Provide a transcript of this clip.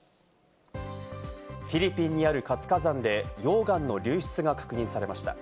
フィリピンにある活火山で溶岩の流出が確認されました。